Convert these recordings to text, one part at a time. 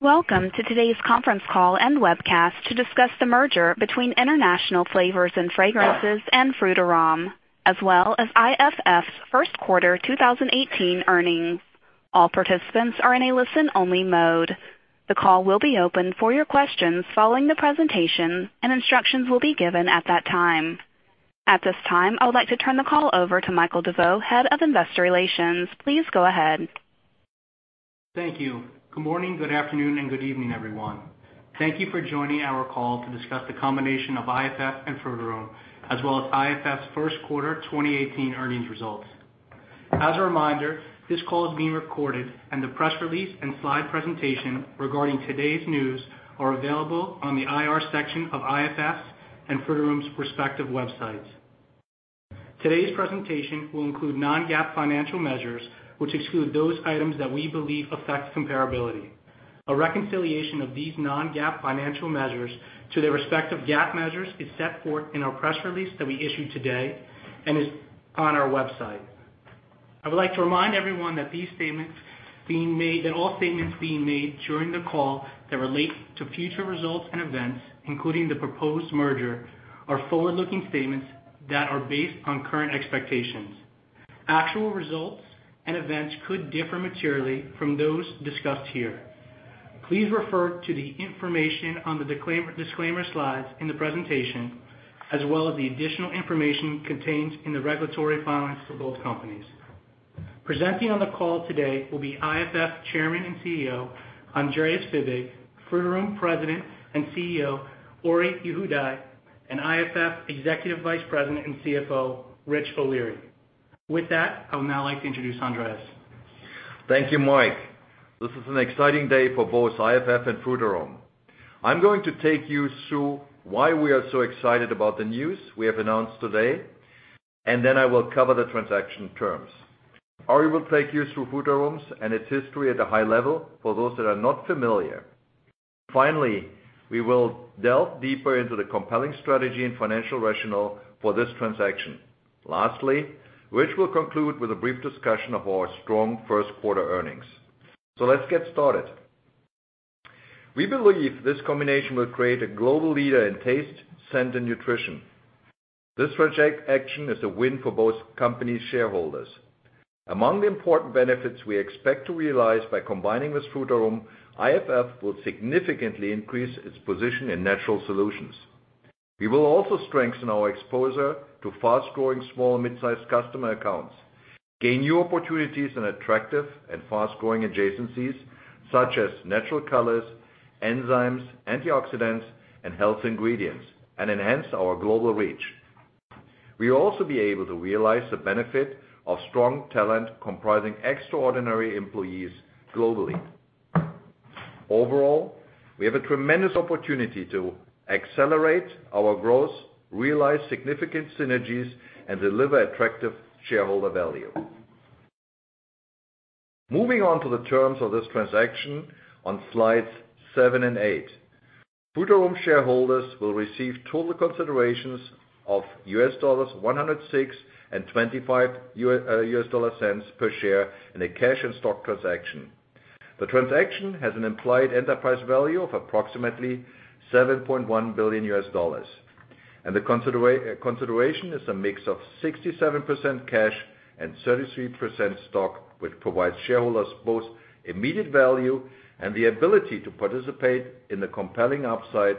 Welcome to today's conference call and webcast to discuss the merger between International Flavors & Fragrances and Frutarom, as well as IFF's first quarter 2018 earnings. All participants are in a listen-only mode. The call will be open for your questions following the presentation, and instructions will be given at that time. At this time, I would like to turn the call over to Michael DeVeau, Head of Investor Relations. Please go ahead. Thank you. Good morning, good afternoon, and good evening, everyone. Thank you for joining our call to discuss the combination of IFF and Frutarom, as well as IFF's first quarter 2018 earnings results. As a reminder, this call is being recorded, and the press release and slide presentation regarding today's news are available on the IR section of IFF's and Frutarom's respective websites. Today's presentation will include non-GAAP financial measures, which exclude those items that we believe affect comparability. A reconciliation of these non-GAAP financial measures to their respective GAAP measures is set forth in our press release that we issued today and is on our website. I would like to remind everyone that all statements being made during the call that relate to future results and events, including the proposed merger, are forward-looking statements that are based on current expectations. Actual results and events could differ materially from those discussed here. Please refer to the information on the disclaimer slides in the presentation, as well as the additional information contained in the regulatory filings for both companies. Presenting on the call today will be IFF Chairman and CEO, Andreas Fibig, Frutarom President and CEO, Ori Yehudai, and IFF Executive Vice President and CFO, Richard O'Leary. I would now like to introduce Andreas. Thank you, Mike. This is an exciting day for both IFF and Frutarom. I'm going to take you through why we are so excited about the news we have announced today. I will cover the transaction terms. Ori will take you through Frutarom and its history at a high level for those that are not familiar. We will delve deeper into the compelling strategy and financial rationale for this transaction. Rich will conclude with a brief discussion of our strong first quarter earnings. Let's get started. We believe this combination will create a global leader in taste, scent, and nutrition. This transaction is a win for both companies' shareholders. Among the important benefits we expect to realize by combining with Frutarom, IFF will significantly increase its position in natural solutions. We will also strengthen our exposure to fast-growing small and mid-sized customer accounts, gain new opportunities in attractive and fast-growing adjacencies such as natural colors, enzymes, antioxidants, and health ingredients, and enhance our global reach. We will also be able to realize the benefit of strong talent comprising extraordinary employees globally. Overall, we have a tremendous opportunity to accelerate our growth, realize significant synergies, and deliver attractive shareholder value. Moving on to the terms of this transaction on slides seven and eight. Frutarom shareholders will receive total considerations of $106.25 per share in a cash and stock transaction. The transaction has an implied enterprise value of approximately $7.1 billion, and the consideration is a mix of 67% cash and 33% stock, which provides shareholders both immediate value and the ability to participate in the compelling upside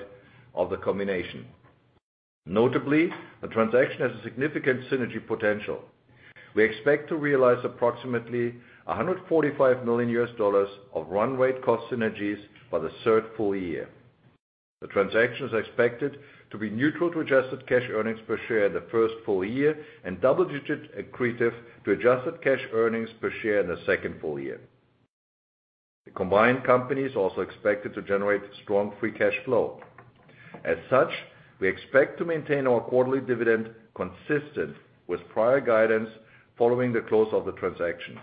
of the combination. Notably, the transaction has a significant synergy potential. We expect to realize approximately $145 million of run rate cost synergies by the third full year. The transaction is expected to be neutral to adjusted cash earnings per share in the first full year and double-digit accretive to adjusted cash earnings per share in the second full year. The combined company is also expected to generate strong free cash flow. As such, we expect to maintain our quarterly dividend consistent with prior guidance following the close of the transaction.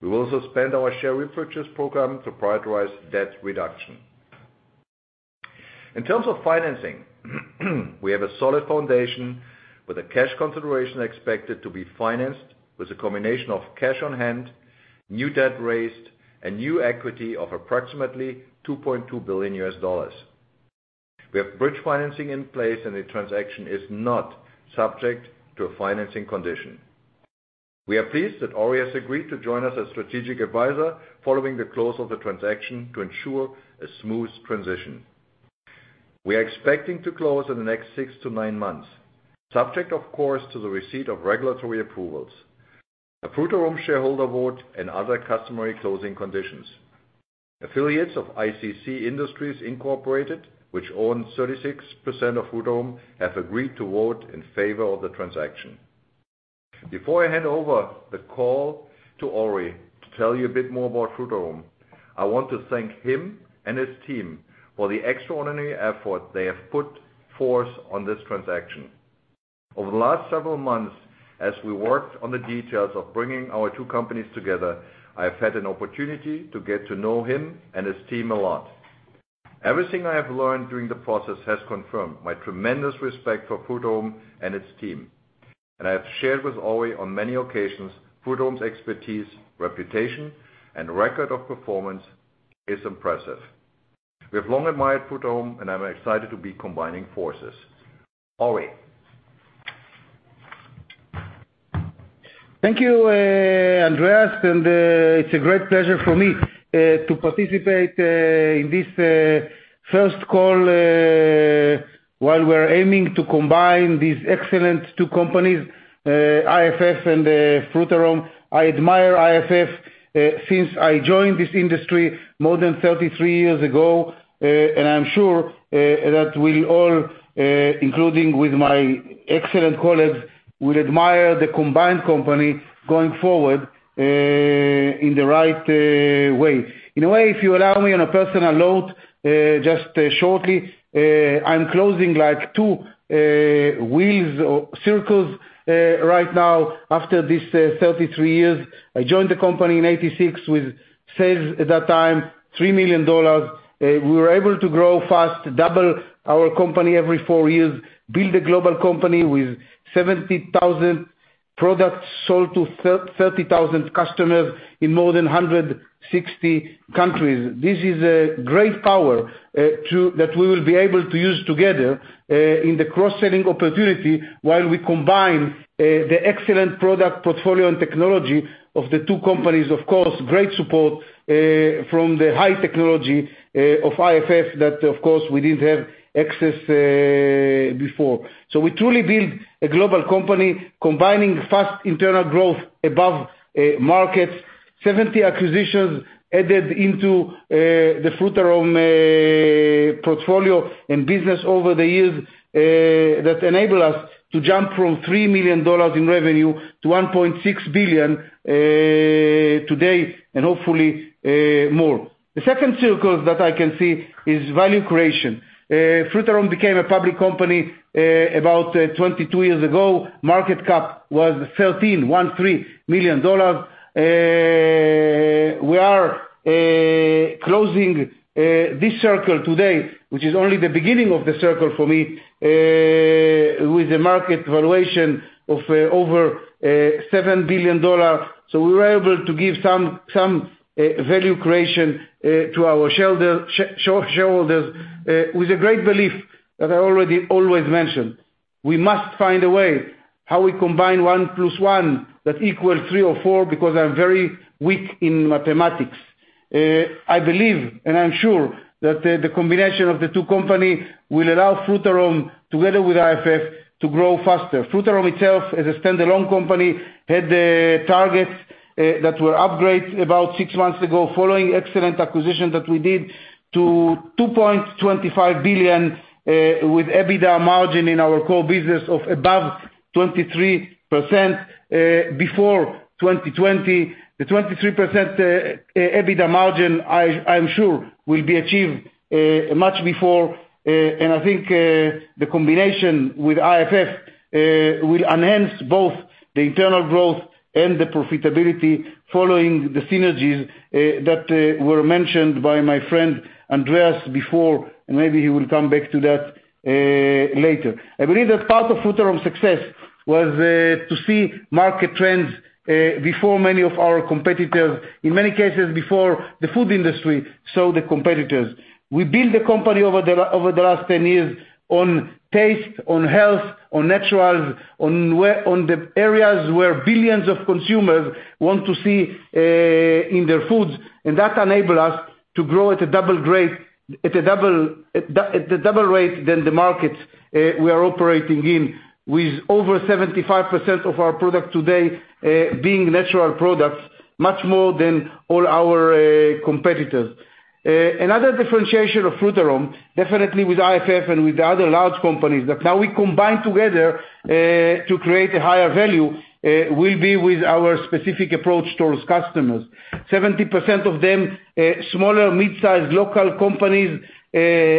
We will also spend our share repurchase program to prioritize debt reduction. In terms of financing, we have a solid foundation with the cash consideration expected to be financed with a combination of cash on hand, new debt raised, and new equity of approximately $2.2 billion. We have bridge financing in place, and the transaction is not subject to a financing condition. We are pleased that Ori has agreed to join us as strategic advisor following the close of the transaction to ensure a smooth transition. We are expecting to close in the next six to nine months, subject of course to the receipt of regulatory approvals, a Frutarom shareholder vote and other customary closing conditions. Affiliates of ICC Industries Inc., which owns 36% of Frutarom, have agreed to vote in favor of the transaction. Before I hand over the call to Ori to tell you a bit more about Frutarom, I want to thank him and his team for the extraordinary effort they have put forth on this transaction. Over the last several months, as we worked on the details of bringing our two companies together, I have had an opportunity to get to know him and his team a lot. Everything I have learned during the process has confirmed my tremendous respect for Frutarom and its team, and I have shared with Ori on many occasions, Frutarom's expertise, reputation, and record of performance is impressive. We have long admired Frutarom, and I'm excited to be combining forces. Ori. Thank you, Andreas, it's a great pleasure for me to participate in this first call while we're aiming to combine these excellent two companies, IFF and Frutarom. I admire IFF since I joined this industry more than 33 years ago, and I'm sure that we all, including with my excellent colleagues, will admire the combined company going forward in the right way. In a way, if you allow me on a personal note, just shortly, I'm closing two wheels or circles right now after these 33 years. I joined the company in 1986 with sales at that time, $3 million. We were able to grow fast, double our company every four years, build a global company with 70,000 products sold to 30,000 customers in more than 160 countries. This is a great power that we will be able to use together in the cross-selling opportunity while we combine the excellent product portfolio and technology of the two companies. Of course, great support from the high technology of IFF that, of course, we didn't have access before. We truly build a global company combining fast internal growth above markets, 70 acquisitions added into the Frutarom portfolio and business over the years that enable us to jump from $3 million in revenue to $1.6 billion today, and hopefully more. The second circle that I can see is value creation. Frutarom became a public company about 22 years ago. Market cap was $13 million. We are closing this circle today, which is only the beginning of the circle for me, with a market valuation of over $7 billion. We were able to give some value creation to our shareholders with a great belief that I already always mentioned. We must find a way how we combine one plus one that equals three or four because I'm very weak in mathematics. I believe, and I'm sure that the combination of the two company will allow Frutarom, together with IFF, to grow faster. Frutarom itself, as a standalone company, had targets that were upgrades about six months ago following excellent acquisition that we did to $2.25 billion with EBITDA margin in our core business of above 23% before 2020. The 23% EBITDA margin, I'm sure will be achieved much before. I think the combination with IFF will enhance both the internal growth and the profitability following the synergies that were mentioned by my friend Andreas before, and maybe he will come back to that later. I believe that part of Frutarom's success was to see market trends before many of our competitors, in many cases before the food industry saw the competitors. We built the company over the last 10 years on taste, on health, on naturals, on the areas where billions of consumers want to see in their foods, that enable us to grow at a double rate than the markets we are operating in, with over 75% of our product today being natural products, much more than all our competitors. Another differentiation of Frutarom, definitely with IFF and with the other large companies that now we combine together to create a higher value, will be with our specific approach towards customers. 70% of them smaller mid-size local companies.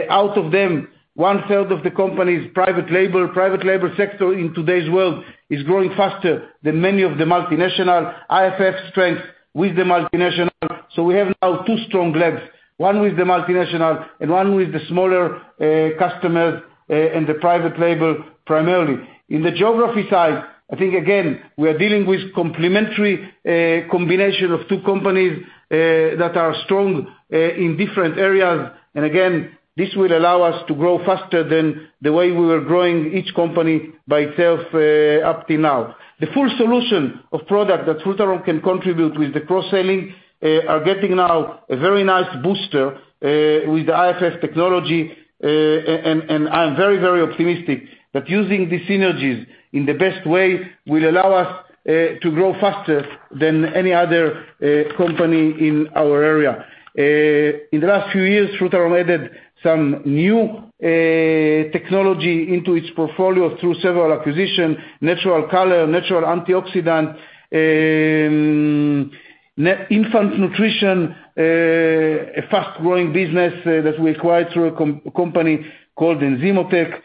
Out of them, one-third of the company's private label. Private label sector in today's world is growing faster than many of the multinational IFF strength with the multinational. We have now two strong legs, one with the multinational and one with the smaller customers and the private label primarily. In the geography side, I think, again, we are dealing with complementary combination of two companies that are strong in different areas. Again, this will allow us to grow faster than the way we were growing each company by itself up to now. The full solution of product that Frutarom can contribute with the cross-selling are getting now a very nice booster with the IFF technology. I'm very, very optimistic that using the synergies in the best way will allow us to grow faster than any other company in our area. In the last few years, Frutarom added some new technology into its portfolio through several acquisition, natural color, natural antioxidant, infant nutrition, a fast-growing business that we acquired through a company called Enzymotec,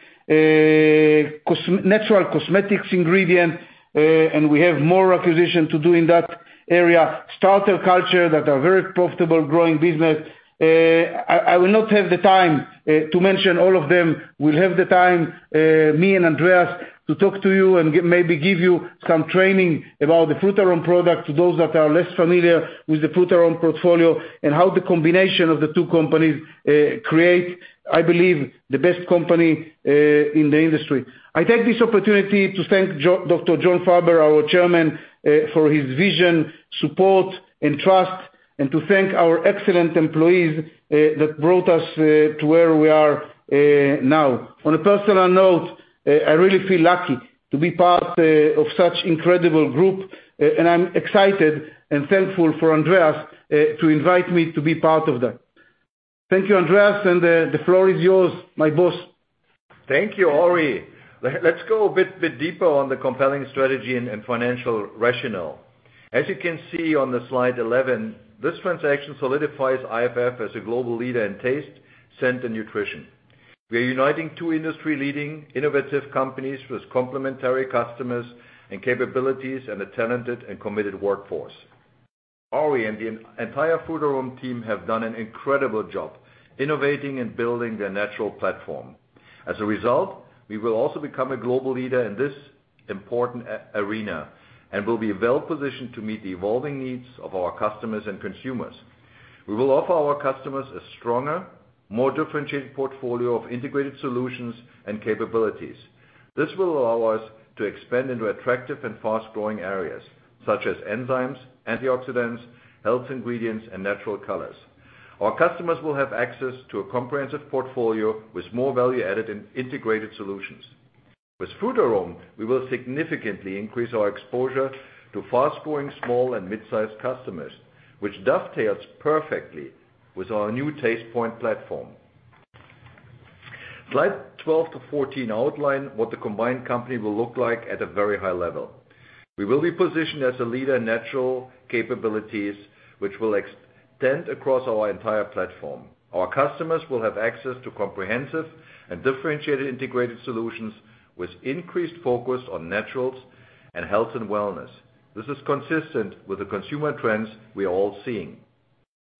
natural cosmetics ingredient, we have more acquisition to do in that area. Starter culture that are very profitable growing business. I will not have the time to mention all of them. We'll have the time, me and Andreas, to talk to you and maybe give you some training about the Frutarom product to those that are less familiar with the Frutarom portfolio and how the combination of the two companies create I believe, the best company in the industry. I take this opportunity to thank Dr. John Farber, our Chairman, for his vision, support, and trust, to thank our excellent employees that brought us to where we are now. On a personal note, I really feel lucky to be part of such incredible group, I'm excited and thankful for Andreas to invite me to be part of that. Thank you, Andreas, the floor is yours, my boss. Thank you, Ori. Let's go a bit deeper on the compelling strategy and financial rationale. As you can see on the slide 11, this transaction solidifies IFF as a global leader in taste, scent, and nutrition. We are uniting two industry-leading, innovative companies with complementary customers and capabilities and a talented and committed workforce. Ori and the entire Frutarom team have done an incredible job innovating and building their natural platform. As a result, we will also become a global leader in this important arena and will be well-positioned to meet the evolving needs of our customers and consumers. We will offer our customers a stronger, more differentiated portfolio of integrated solutions and capabilities. This will allow us to expand into attractive and fast-growing areas such as enzymes, antioxidants, health ingredients, and natural colors. Our customers will have access to a comprehensive portfolio with more value added in integrated solutions. With Frutarom, we will significantly increase our exposure to fast-growing small and mid-sized customers, which dovetails perfectly with our new Tastepoint platform. Slide 12 to 14 outline what the combined company will look like at a very high level. We will be positioned as a leader in natural capabilities, which will extend across our entire platform. Our customers will have access to comprehensive and differentiated integrated solutions with increased focus on naturals and health and wellness. This is consistent with the consumer trends we are all seeing.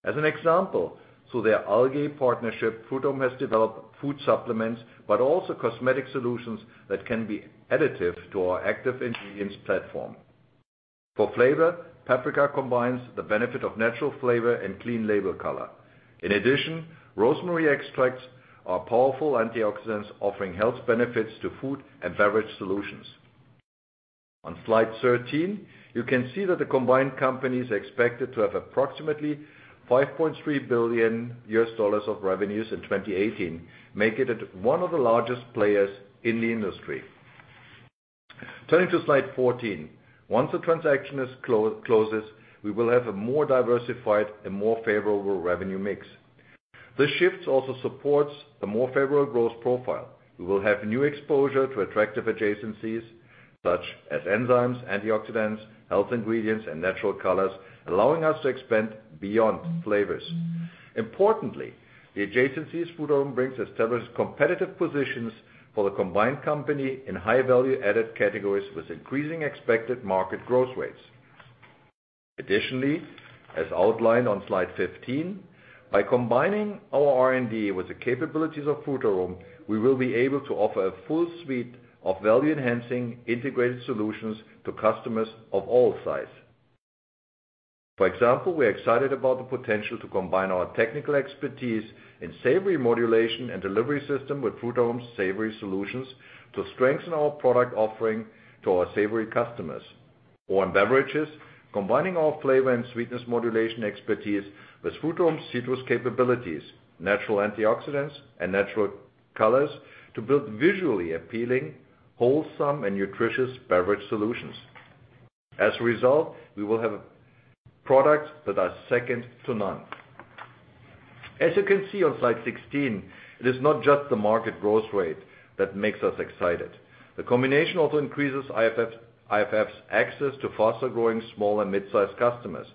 As an example, through their algae partnership, Frutarom has developed food supplements, but also cosmetic solutions that can be additive to our active ingredients platform. For flavor, paprika combines the benefit of natural flavor and clean label color. In addition, rosemary extracts are powerful antioxidants offering health benefits to food and beverage solutions. On slide 13, you can see that the combined companies are expected to have approximately $5.3 billion of revenues in 2018, making it one of the largest players in the industry. Turning to slide 14. Once the transaction closes, we will have a more diversified and more favorable revenue mix. This shift also supports the more favorable growth profile. We will have new exposure to attractive adjacencies such as enzymes, antioxidants, health ingredients, and natural colors, allowing us to expand beyond flavors. The adjacencies Frutarom brings establish competitive positions for the combined company in high value added categories with increasing expected market growth rates. As outlined on slide 15, by combining our R&D with the capabilities of Frutarom, we will be able to offer a full suite of value enhancing integrated solutions to customers of all size. For example, we are excited about the potential to combine our technical expertise in savory modulation and delivery system with Frutarom's savory solutions to strengthen our product offering to our savory customers. In beverages, combining our flavor and sweetness modulation expertise with Frutarom's citrus capabilities, natural antioxidants, and natural colors to build visually appealing, wholesome, and nutritious beverage solutions. As a result, we will have products that are second to none. As you can see on slide 16, it is not just the market growth rate that makes us excited. The combination also increases IFF's access to faster-growing small and mid-size customers.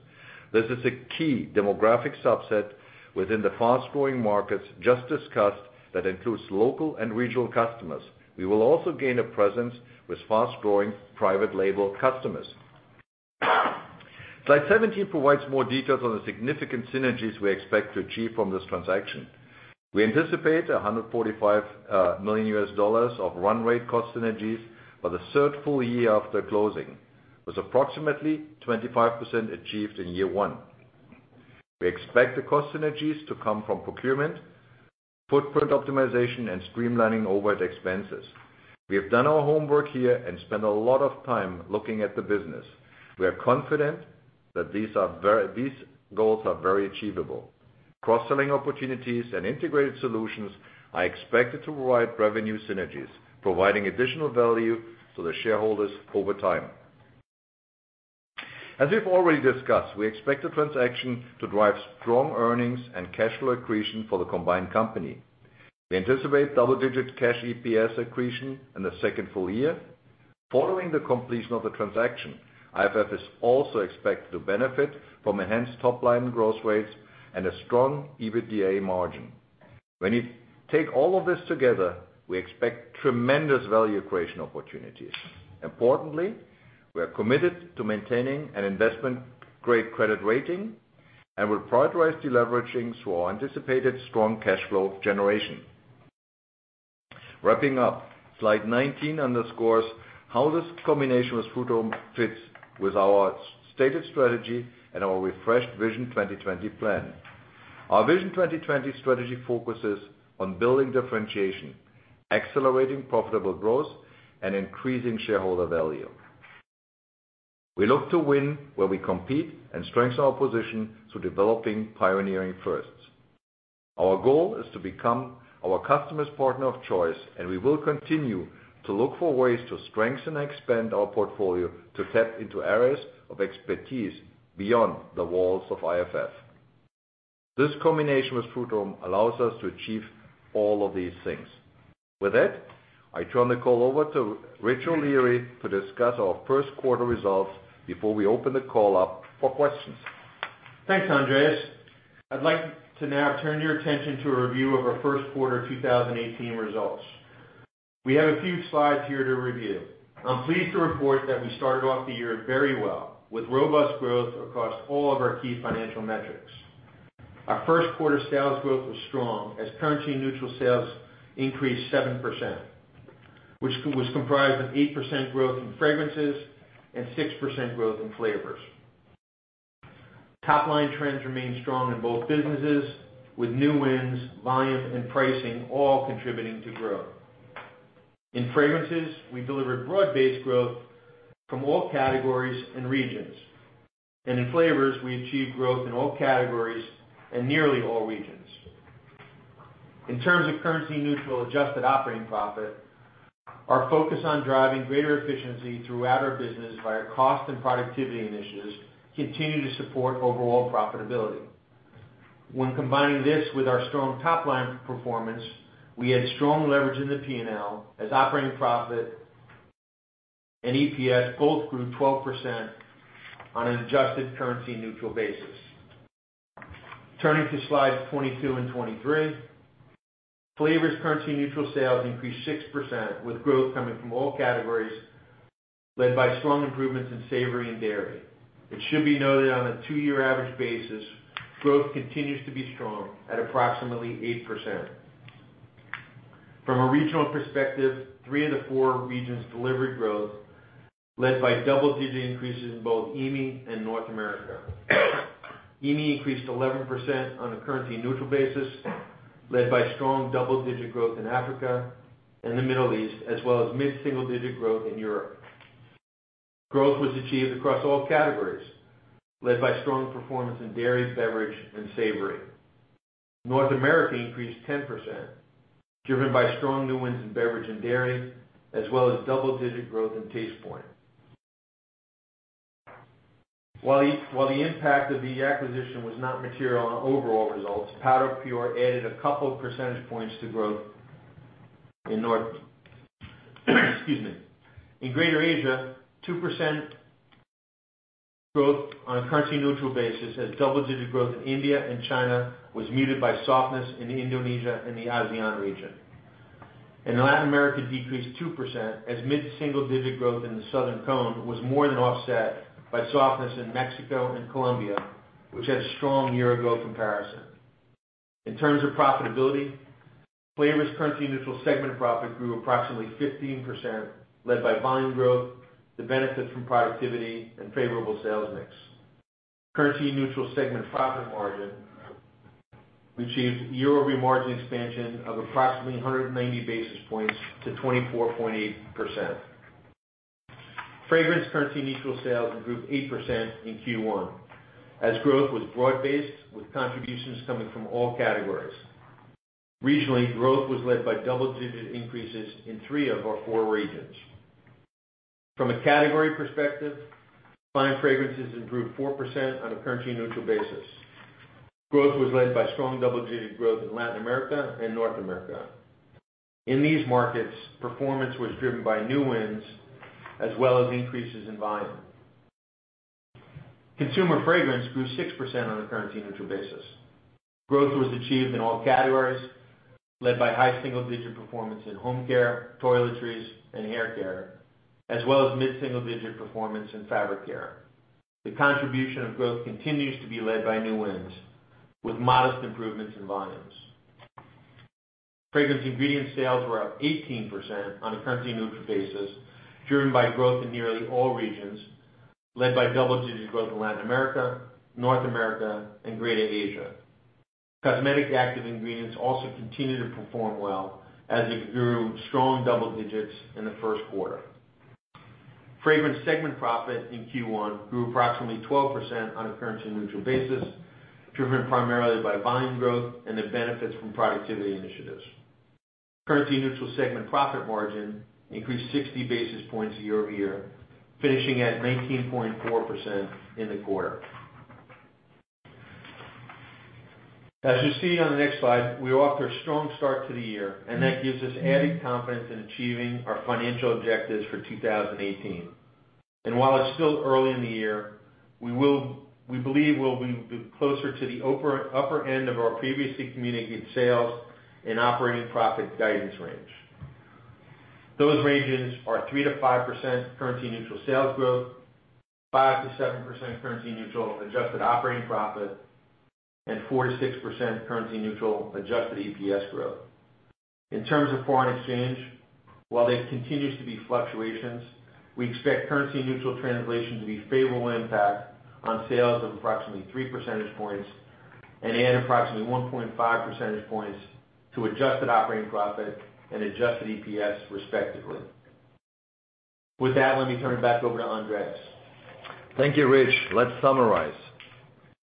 This is a key demographic subset within the fast-growing markets just discussed that includes local and regional customers. We will also gain a presence with fast-growing private label customers. Slide 17 provides more details on the significant synergies we expect to achieve from this transaction. We anticipate $145 million of run rate cost synergies by the third full year after closing, with approximately 25% achieved in year one. We expect the cost synergies to come from procurement, footprint optimization, and streamlining overhead expenses. We have done our homework here and spent a lot of time looking at the business. We are confident that these goals are very achievable. Cross-selling opportunities and integrated solutions are expected to provide revenue synergies, providing additional value to the shareholders over time. As we've already discussed, we expect the transaction to drive strong earnings and cash flow accretion for the combined company. We anticipate double-digit cash EPS accretion in the second full year. Following the completion of the transaction, IFF is also expected to benefit from enhanced top-line growth rates and a strong EBITDA margin. When you take all of this together, we expect tremendous value accretion opportunities. Importantly, we are committed to maintaining an investment-grade credit rating and will prioritize deleveraging through our anticipated strong cash flow generation. Wrapping up, slide 19 underscores how this combination with Frutarom fits with our stated strategy and our refreshed Vision 2020 plan. Our Vision 2020 strategy focuses on building differentiation, accelerating profitable growth, and increasing shareholder value. We look to win where we compete and strengthen our position through developing pioneering firsts. Our goal is to become our customers' partner of choice, and we will continue to look for ways to strengthen and expand our portfolio to tap into areas of expertise beyond the walls of IFF. This combination with Frutarom allows us to achieve all of these things. With that, I turn the call over to Richard O'Leary to discuss our first quarter results before we open the call up for questions. Thanks, Andreas. I'd like to now turn your attention to a review of our first quarter 2018 results. We have a few slides here to review. I'm pleased to report that we started off the year very well with robust growth across all of our key financial metrics. Our first quarter sales growth was strong as currency-neutral sales increased 7%, which was comprised of 8% growth in Fragrances and 6% growth in Flavors. Top-line trends remain strong in both businesses, with new wins, volume, and pricing all contributing to growth. In Fragrances, we delivered broad-based growth from all categories and regions. In Flavors, we achieved growth in all categories and nearly all regions. In terms of currency-neutral adjusted operating profit, our focus on driving greater efficiency throughout our business via cost and productivity initiatives continue to support overall profitability. When combining this with our strong top-line performance, we had strong leverage in the P&L as operating profit and EPS both grew 12% on an adjusted currency-neutral basis. Turning to slides 22 and 23, Flavors currency-neutral sales increased 6%, with growth coming from all categories led by strong improvements in savory and dairy. It should be noted on a two-year average basis, growth continues to be strong at approximately 8%. From a regional perspective, three of the four regions delivered growth led by double-digit increases in both EMEA and North America. EMEA increased 11% on a currency-neutral basis, led by strong double-digit growth in Africa and the Middle East, as well as mid-single-digit growth in Europe. Growth was achieved across all categories, led by strong performance in dairy, beverage, and savory. North America increased 10%, driven by strong new wins in beverage and dairy, as well as double-digit growth in Tastepoint. While the impact of the acquisition was not material on overall results, PowderPure added a couple percentage points to growth in Excuse me. In Greater Asia, 2% growth on a currency-neutral basis as double-digit growth in India and China was muted by softness in Indonesia and the ASEAN region. Latin America decreased 2% as mid-single-digit growth in the Southern Cone was more than offset by softness in Mexico and Colombia, which had a strong year-ago comparison. In terms of profitability, Flavors' currency-neutral segment profit grew approximately 15%, led by volume growth, the benefit from productivity, and favorable sales mix. Currency-neutral segment profit margin achieved year-over-year margin expansion of approximately 190 basis points to 24.8%. Fragrance currency-neutral sales improved 8% in Q1 as growth was broad-based with contributions coming from all categories. Regionally, growth was led by double-digit increases in three of our four regions. From a category perspective, Fine Fragrances improved 4% on a currency-neutral basis. Growth was led by strong double-digit growth in Latin America and North America. In these markets, performance was driven by new wins as well as increases in volume. Consumer Fragrance grew 6% on a currency-neutral basis. Growth was achieved in all categories led by high single-digit performance in home care, toiletries, and hair care, as well as mid-single-digit performance in fabric care. The contribution of growth continues to be led by new wins, with modest improvements in volumes. Fragrance Ingredients sales were up 18% on a currency-neutral basis, driven by growth in nearly all regions, led by double-digit growth in Latin America, North America, and Greater Asia. Cosmetic Active Ingredients also continue to perform well as it grew strong double digits in the first quarter. Fragrance segment profit in Q1 grew approximately 12% on a currency-neutral basis, driven primarily by volume growth and the benefits from productivity initiatives. Currency-neutral segment profit margin increased 60 basis points year-over-year, finishing at 19.4% in the quarter. As you see on the next slide, that gives us added confidence in achieving our financial objectives for 2018. While it's still early in the year, we believe we'll be closer to the upper end of our previously communicated sales and operating profit guidance range. Those ranges are 3%-5% currency neutral sales growth, 5%-7% currency neutral adjusted operating profit, and 4%-6% currency neutral adjusted EPS growth. In terms of foreign exchange, while there continues to be fluctuations, we expect currency neutral translation to be a favorable impact on sales of approximately three percentage points and approximately 1.5 percentage points to adjusted operating profit and adjusted EPS respectively. With that, let me turn it back over to Andreas. Thank you, Rich. Let's summarize.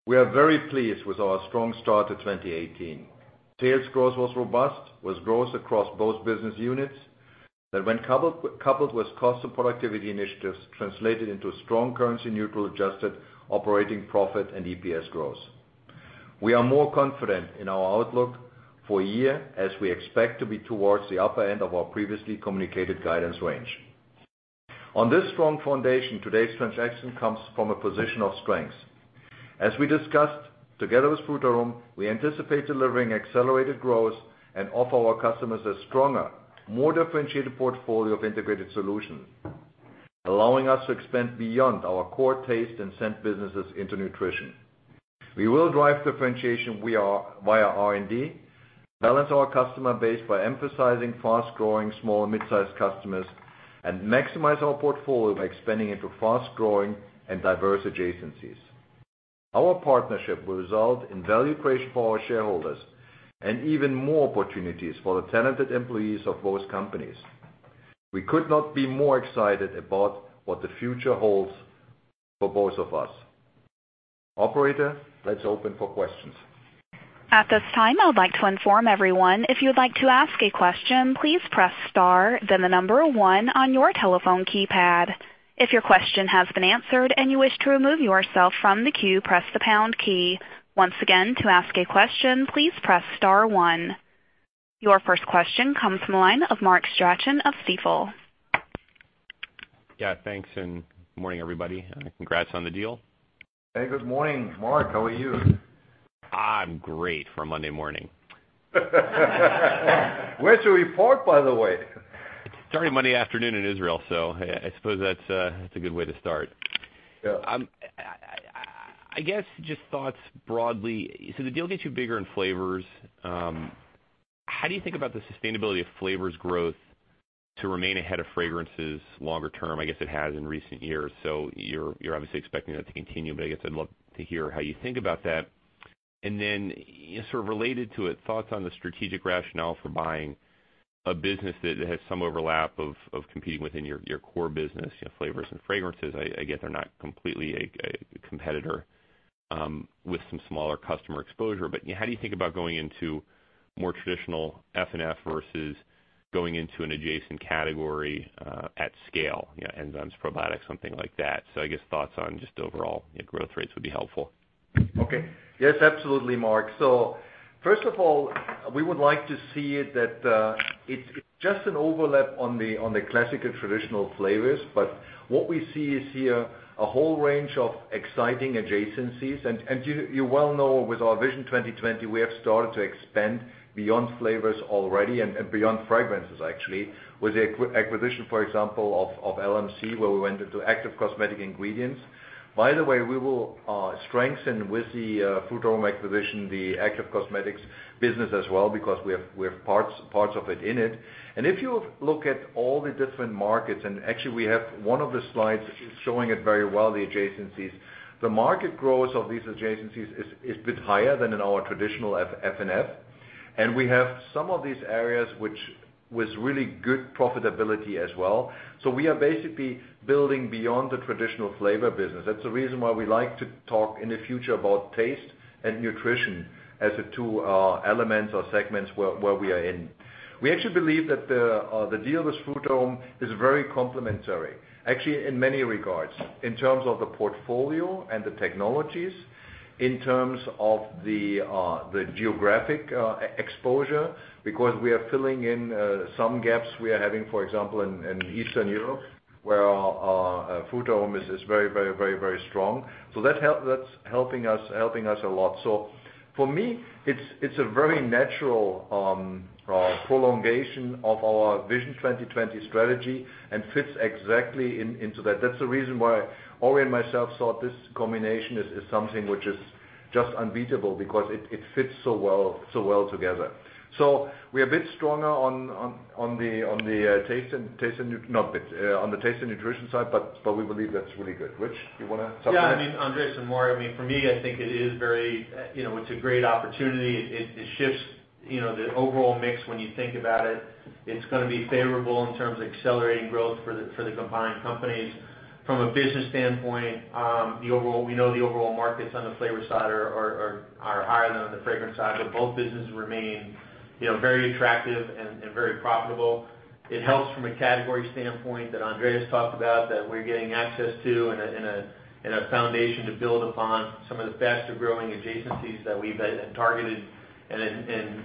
We are very pleased with our strong start to 2018. Sales growth was robust, with growth across both business units that when coupled with cost and productivity initiatives, translated into strong currency neutral adjusted operating profit and EPS growth. We are more confident in our outlook for the year as we expect to be towards the upper end of our previously communicated guidance range. On this strong foundation, today's transaction comes from a position of strength. As we discussed together with Frutarom, we anticipate delivering accelerated growth and offer our customers a stronger, more differentiated portfolio of integrated solutions, allowing us to expand beyond our core taste and scent businesses into nutrition. We will drive differentiation via R&D, balance our customer base by emphasizing fast-growing small and mid-sized customers, and maximize our portfolio by expanding into fast-growing and diverse adjacencies. Our partnership will result in value creation for our shareholders and even more opportunities for the talented employees of both companies. We could not be more excited about what the future holds for both of us. Operator, let's open for questions. At this time, I would like to inform everyone, if you would like to ask a question, please press star then the number 1 on your telephone keypad. If your question has been answered and you wish to remove yourself from the queue, press the pound key. Once again, to ask a question, please press star 1. Your first question comes from the line of Mark Astrachan of Stifel. Yeah, thanks. Good morning, everybody. Congrats on the deal. Hey, good morning, Mark. How are you? I'm great for a Monday morning. Where's your report, by the way? It's already Monday afternoon in Israel. I suppose that's a good way to start. Yeah. I guess just thoughts broadly. The deal gets you bigger in Flavors. How do you think about the sustainability of Flavors growth to remain ahead of Fragrances longer term? I guess it has in recent years. You're obviously expecting that to continue. I guess I'd love to hear how you think about that. Sort of related to it, thoughts on the strategic rationale for buying a business that has some overlap of competing within your core business, Flavors and Fragrances. I get they're not completely a competitor, with some smaller customer exposure. How do you think about going into more traditional F&F versus going into an adjacent category at scale, enzymes, probiotics, something like that. I guess thoughts on just overall growth rates would be helpful. Yes, absolutely, Mark. First of all, we would like to see that it's just an overlap on the classical traditional flavors. What we see is here a whole range of exciting adjacencies. You well know with our Vision 2020, we have started to expand beyond flavors already and beyond fragrances, actually, with the acquisition, for example, of LMC, where we went into active cosmetic ingredients. By the way, we will strengthen with the Frutarom acquisition, the active cosmetics business as well, because we have parts of it in it. If you look at all the different markets, and actually we have one of the slides showing it very well, the adjacencies. The market growth of these adjacencies is a bit higher than in our traditional F&F. We have some of these areas with really good profitability as well. We are basically building beyond the traditional flavor business. That's the reason why we like to talk in the future about taste and nutrition as the two elements or segments where we are in. We actually believe that the deal with Frutarom is very complementary, actually in many regards, in terms of the portfolio and the technologies, in terms of the geographic exposure, because we are filling in some gaps we are having, for example, in Eastern Europe, where Frutarom is very strong. That's helping us a lot. For me, it's a very natural prolongation of our Vision 2020 strategy and fits exactly into that. That's the reason why Ori and myself thought this combination is something which is just unbeatable because it fits so well together. We are a bit stronger on the taste and nutrition side, but we believe that's really good. Rich, you want to supplement? Yeah. I mean, Andreas and Mark, for me, I think it's a great opportunity. It shifts the overall mix when you think about it. It's going to be favorable in terms of accelerating growth for the combined companies. From a business standpoint, we know the overall markets on the flavor side are higher than on the fragrance side, both businesses remain very attractive and very profitable. It helps from a category standpoint that Andreas talked about that we're getting access to and a foundation to build upon some of the faster-growing adjacencies that we've targeted and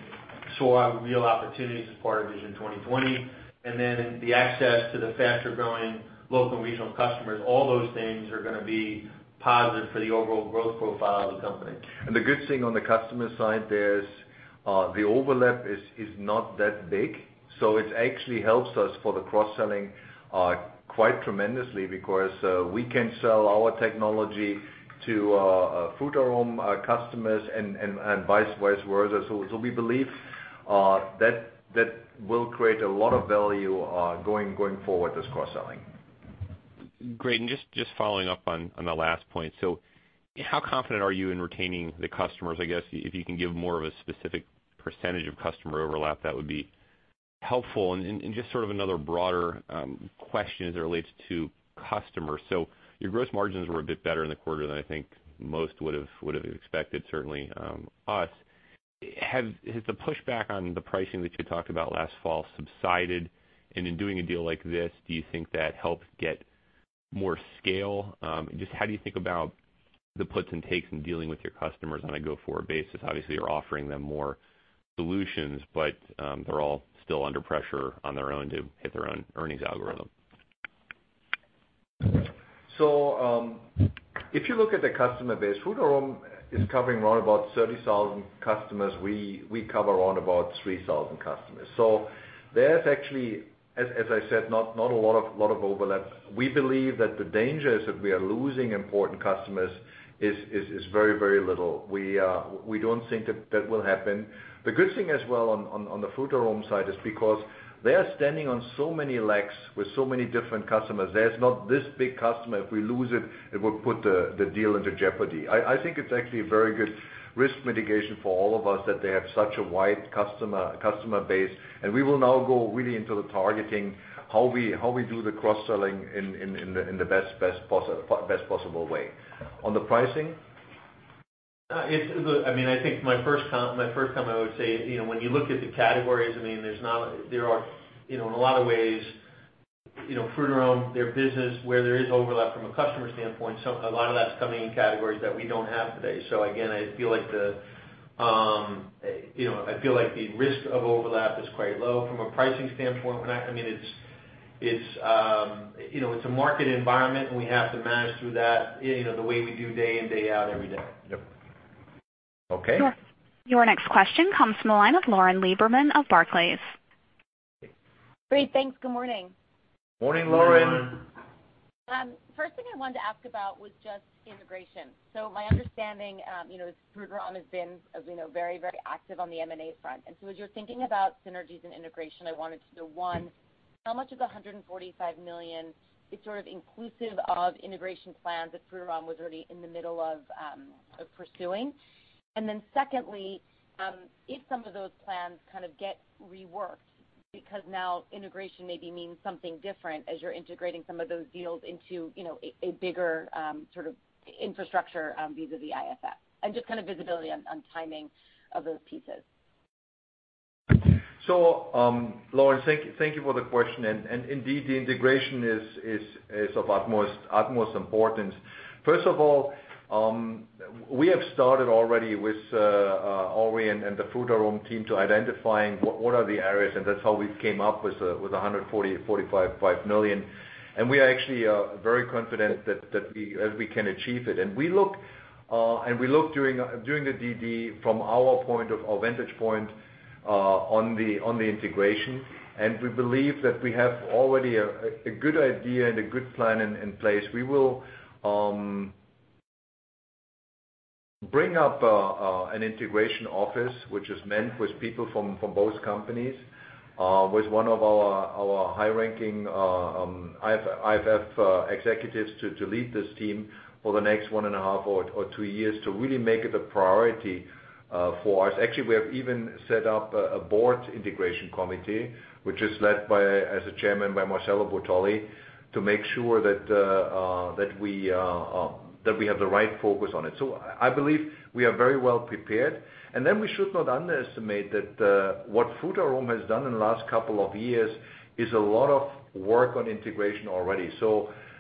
So are real opportunities as part of Vision 2020. Then the access to the faster-growing local and regional customers, all those things are going to be positive for the overall growth profile of the company. The good thing on the customer side, the overlap is not that big. It actually helps us for the cross-selling quite tremendously because we can sell our technology to Frutarom customers and vice versa. We believe that will create a lot of value going forward, this cross-selling. Great. Just following up on the last point. How confident are you in retaining the customers? I guess if you can give more of a specific percentage of customer overlap, that would be helpful. Just sort of another broader question as it relates to customers. Your gross margins were a bit better in the quarter than I think most would have expected, certainly us. Has the pushback on the pricing that you talked about last fall subsided? In doing a deal like this, do you think that helps get more scale? Just how do you think about the puts and takes in dealing with your customers on a go-forward basis? Obviously, you're offering them more solutions, but they're all still under pressure on their own to hit their own earnings algorithm. If you look at the customer base, Frutarom is covering around about 30,000 customers. We cover around about 3,000 customers. There's actually, as I said, not a lot of overlap. We believe that the dangers that we are losing important customers is very little. We don't think that will happen. The good thing as well on the Frutarom side is because they are standing on so many legs with so many different customers, there's not this big customer, if we lose it would put the deal into jeopardy. I think it's actually a very good risk mitigation for all of us that they have such a wide customer base. We will now go really into the targeting, how we do the cross-selling in the best possible way. On the pricing? I think my first comment I would say, when you look at the categories, in a lot of ways, Frutarom, their business, where there is overlap from a customer standpoint, a lot of that's coming in categories that we don't have today. Again, I feel like the risk of overlap is quite low. From a pricing standpoint, it's a market environment, we have to manage through that the way we do day in, day out every day. Yep. Okay. Your next question comes from the line of Lauren Lieberman of Barclays. Great. Thanks. Good morning. Morning, Lauren. Morning. First thing I wanted to ask about was just integration. My understanding, is Frutarom has been, as we know, very active on the M&A front. As you're thinking about synergies and integration, I wanted to know, one, how much of the $145 million is sort of inclusive of integration plans that Frutarom was already in the middle of pursuing? Secondly, if some of those plans kind of get reworked, because now integration maybe means something different as you're integrating some of those deals into a bigger sort of infrastructure vis-à-vis IFF. Just kind of visibility on timing of those pieces. Lauren, thank you for the question. Indeed, the integration is of utmost importance. First of all, we have started already with Ori and the Frutarom team to identifying what are the areas, and that's how we came up with $145 million. We are actually very confident that we can achieve it. We looked during the DD from our vantage point on the integration, and we believe that we have already a good idea and a good plan in place. We will bring up an integration office, which is manned with people from both companies, with one of our high-ranking IFF executives to lead this team for the next one and a half or two years to really make it a priority for us. Actually, we have even set up a board integration committee, which is led by, as a chairman, by Marcello Bottoli, to make sure that we have the right focus on it. I believe we are very well prepared. We should not underestimate that what Frutarom has done in the last couple of years is a lot of work on integration already.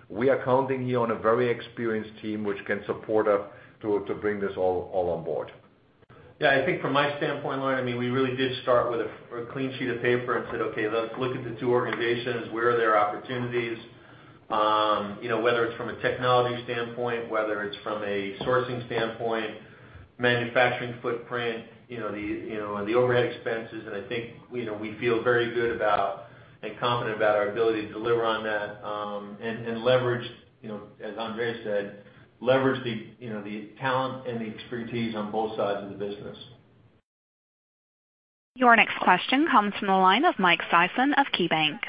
We are counting here on a very experienced team, which can support us to bring this all on board. Yeah, I think from my standpoint, Lauren, we really did start with a clean sheet of paper and said, "Okay, let's look at the two organizations. Where are there opportunities?" Whether it's from a technology standpoint, whether it's from a sourcing standpoint, manufacturing footprint, the overhead expenses. I think we feel very good about and confident about our ability to deliver on that and leverage, as Andreas said, leverage the talent and the expertise on both sides of the business. Your next question comes from the line of Michael Sison of KeyBanc.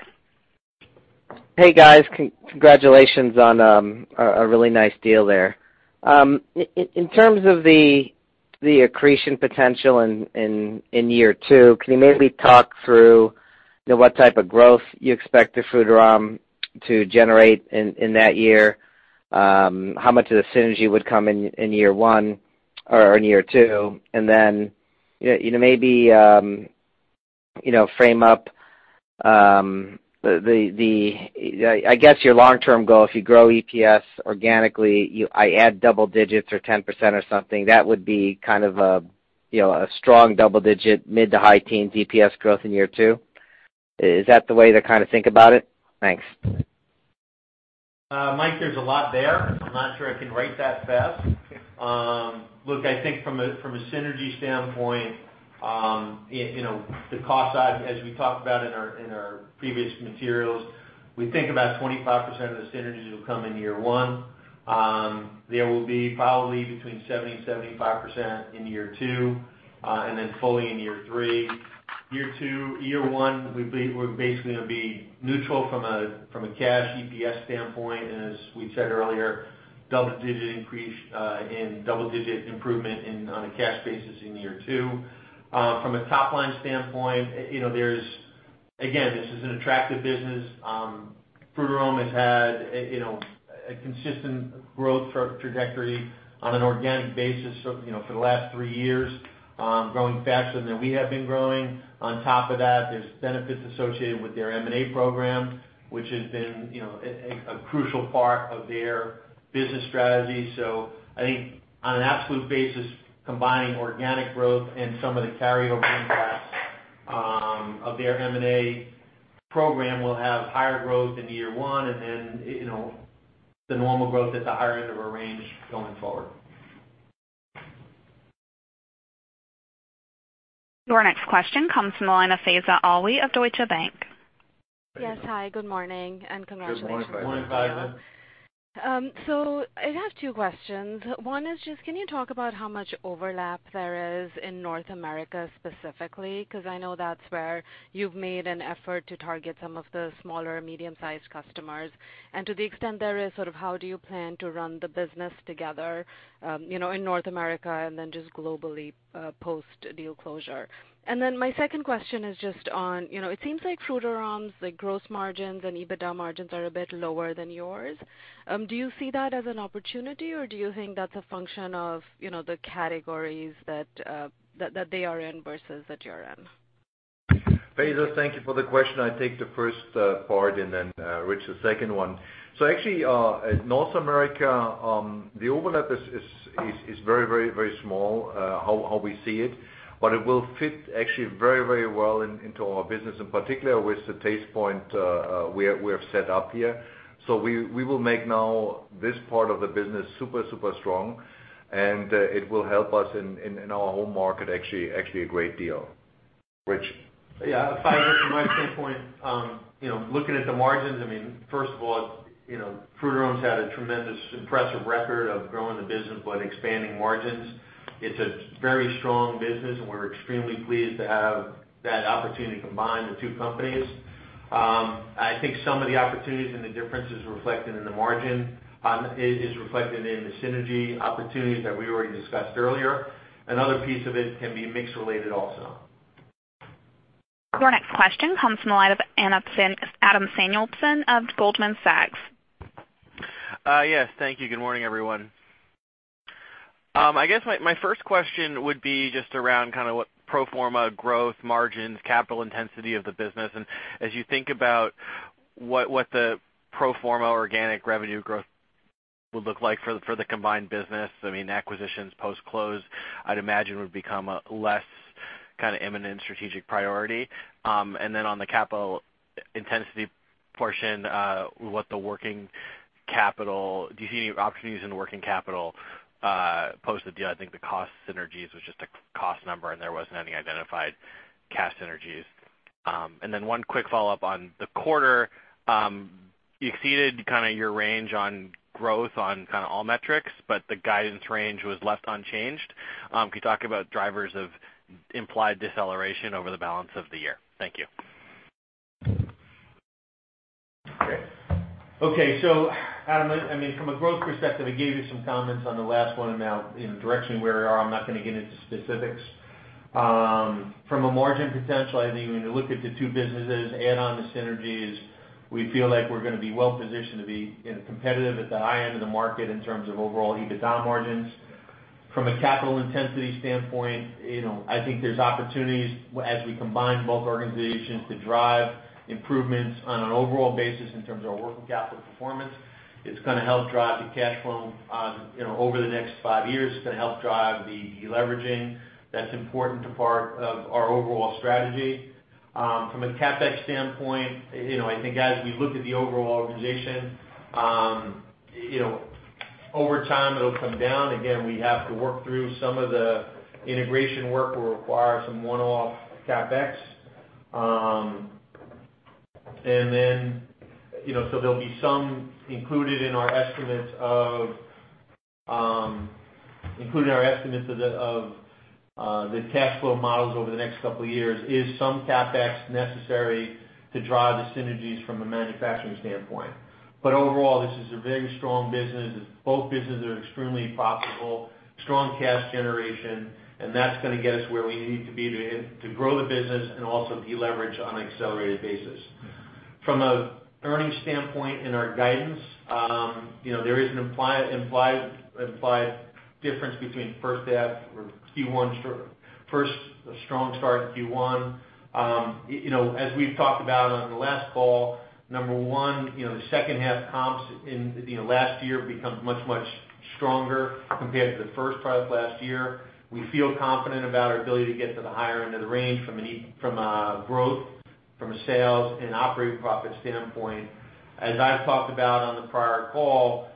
Hey, guys. Congratulations on a really nice deal there. In terms of the accretion potential in year two, can you maybe talk through what type of growth you expect Frutarom to generate in that year? How much of the synergy would come in year one or in year two? And then maybe frame up the, I guess, your long-term goal. If you grow EPS organically, I add double digits or 10% or something, that would be kind of a strong double-digit mid to high teens EPS growth in year two. Is that the way to think about it? Thanks. Mike, there's a lot there. I'm not sure I can write that fast. Look, I think from a synergy standpoint, the cost side, as we talked about in our previous materials, we think about 25% of the synergies will come in year one. There will be probably between 70% and 75% in year two, and then fully in year three. Year one, we're basically going to be neutral from a cash EPS standpoint, and as we said earlier, double-digit improvement on a cash basis in year two. From a top-line standpoint, again, this is an attractive business. Frutarom has had a consistent growth trajectory on an organic basis for the last three years, growing faster than we have been growing. On top of that, there's benefits associated with their M&A program, which has been a crucial part of their business strategy. I think on an absolute basis, combining organic growth and some of the carryover impacts of their M&A program will have higher growth in year one and then the normal growth at the higher end of our range going forward. Your next question comes from the line of Faiza Al-Alami of Deutsche Bank. Yes. Hi, good morning and congratulations. Good morning, Faiza. Good morning, Faiza. I have two questions. One is, can you talk about how much overlap there is in North America specifically? I know that's where you've made an effort to target some of the smaller medium-sized customers. To the extent there is, how do you plan to run the business together in North America and then globally post-deal closure? My second question is on, it seems like Frutarom's gross margins and EBITDA margins are a bit lower than yours. Do you see that as an opportunity, or do you think that's a function of the categories that they are in versus that you are in? Faiza, thank you for the question. I'll take the first part and then Rich, the second one. North America, the overlap is very small, how we see it, but it will fit actually very well into our business, in particular with the Tastepoint we have set up here. We will make now this part of the business super strong, and it will help us in our home market actually a great deal. Rich. Faiza, from my standpoint, looking at the margins, first of all, Frutarom's had a tremendous impressive record of growing the business by expanding margins. It's a very strong business, we're extremely pleased to have that opportunity to combine the two companies. I think some of the opportunities and the differences reflected in the margin is reflected in the synergy opportunities that we already discussed earlier. Another piece of it can be mix-related also. Your next question comes from the line of Adam Samuelson of Goldman Sachs. Yes. Thank you. Good morning, everyone. I guess my first question would be just around kind of what pro forma gross margins, capital intensity of the business, and as you think about what the pro forma organic revenue growth would look like for the combined business. Acquisitions post-close, I'd imagine, would become a less kind of imminent strategic priority. On the capital intensity portion, what the working capital do you see any opportunities in working capital post the deal? I think the cost synergies was just a cost number and there wasn't any identified cash synergies. One quick follow-up on the quarter. You exceeded kind of your range on growth on kind of all metrics, but the guidance range was left unchanged. Could you talk about drivers of implied deceleration over the balance of the year? Thank you. Okay. Adam, from a growth perspective, I gave you some comments on the last one, and now in the direction where we are, I'm not going to get into specifics. From a margin potential, I think when you look at the two businesses, add on the synergies, we feel like we're going to be well-positioned to be competitive at the high end of the market in terms of overall EBITDA margins. From a capital intensity standpoint, I think there's opportunities as we combine both organizations to drive improvements on an overall basis in terms of our working capital performance. It's going to help drive the cash flow over the next five years. It's going to help drive the deleveraging that's important to part of our overall strategy. From a CapEx standpoint, I think as we look at the overall organization, over time, it'll come down. Again, we have to work through some of the integration work will require some one-off CapEx. There'll be some included in our estimates of the cash flow models over the next couple of years is some CapEx necessary to drive the synergies from a manufacturing standpoint. Overall, this is a very strong business. Both businesses are extremely profitable, strong cash generation, and that's going to get us where we need to be to grow the business and also deleverage on an accelerated basis. From an earnings standpoint in our guidance, there is an implied difference between first half or Q1 first strong start in Q1. As we've talked about on the last call, number one, the second half comps in last year become much, much stronger compared to the first part of last year. We feel confident about our ability to get to the higher end of the range from a growth, from a sales, and operating profit standpoint. As I've talked about on the prior call,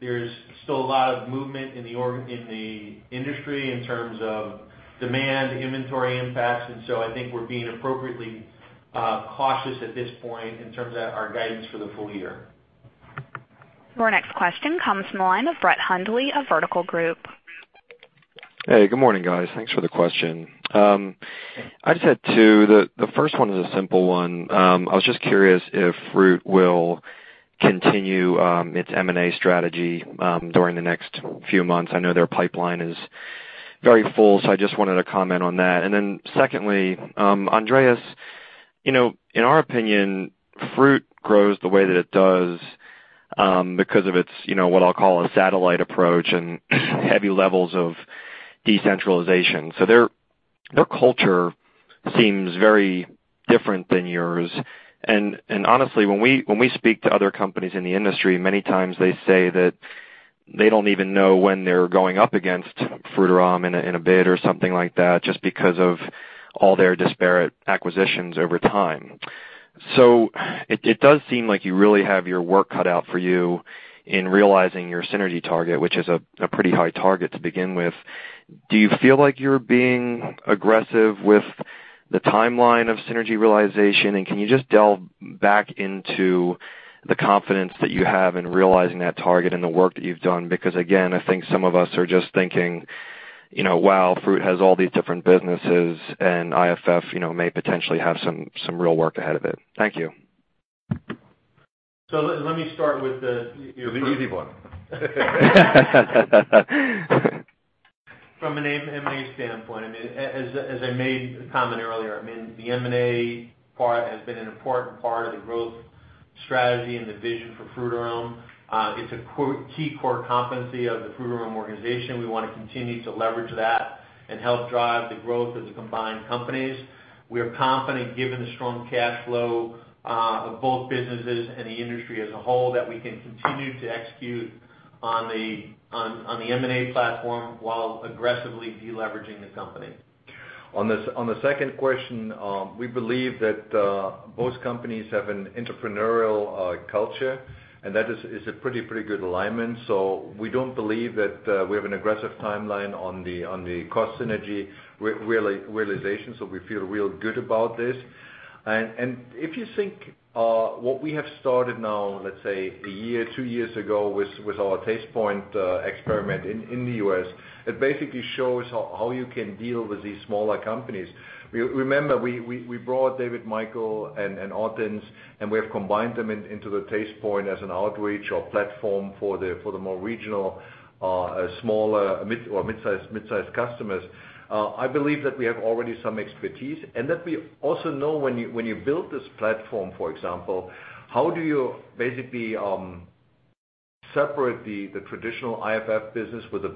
there's still a lot of movement in the industry in terms of demand, inventory impacts, I think we're being appropriately cautious at this point in terms of our guidance for the full year. Your next question comes from the line of Brett Hundley of The Vertical Group. Hey, good morning, guys. Thanks for the question. I just had two. The first one is a simple one. I was just curious if Fruit will continue its M&A strategy during the next few months. I know their pipeline is very full, so I just wanted a comment on that. Secondly, Andreas, in our opinion, Fruit grows the way that it does because of its, what I'll call, a satellite approach and heavy levels of decentralization. Their culture seems very different than yours. And honestly, when we speak to other companies in the industry, many times they say that they don't even know when they're going up against Frutarom in a bid or something like that, just because of all their disparate acquisitions over time. It does seem like you really have your work cut out for you in realizing your synergy target, which is a pretty high target to begin with. Do you feel like you're being aggressive with the timeline of synergy realization? Can you just delve back into the confidence that you have in realizing that target and the work that you've done? Because again, I think some of us are just thinking, "Wow, Fruit has all these different businesses, and IFF may potentially have some real work ahead of it." Thank you. Let me start with. The easy one. From an M&A standpoint, as I made a comment earlier, the M&A part has been an important part of the growth strategy and the vision for Frutarom. It's a key core competency of the Frutarom organization. We want to continue to leverage that and help drive the growth of the combined companies. We are confident, given the strong cash flow of both businesses and the industry as a whole, that we can continue to execute on the M&A platform while aggressively de-leveraging the company. On the second question, we believe that both companies have an entrepreneurial culture, that is a pretty good alignment. We don't believe that we have an aggressive timeline on the cost synergy realization, we feel real good about this. If you think what we have started now, let's say a year, two years ago, with our Tastepoint experiment in the U.S., it basically shows how you can deal with these smaller companies. Remember, we brought David Michael & Co. and Ottens Flavors, and we have combined them into the Tastepoint as an outreach or platform for the more regional smaller or mid-sized customers. I believe that we have already some expertise, that we also know when you build this platform, for example, how do you basically separate the traditional IFF business with the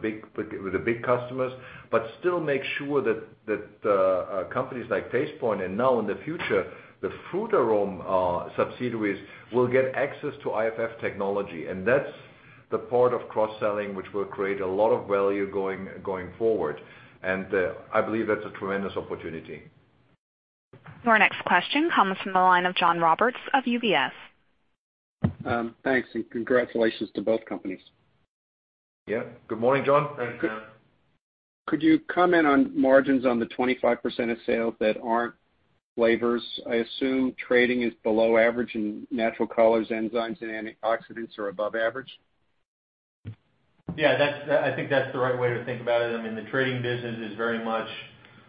big customers, but still make sure that companies like Tastepoint and now in the future, the Frutarom subsidiaries will get access to IFF technology. That's the part of cross-selling, which will create a lot of value going forward. I believe that's a tremendous opportunity. Your next question comes from the line of John Roberts of UBS. Thanks. Congratulations to both companies. Yeah. Good morning, John. Thanks, John. Could you comment on margins on the 25% of sales that aren't Flavors? I assume trading is below average and natural colors, enzymes, and antioxidants are above average. Yeah. I think that's the right way to think about it. The trading business is very much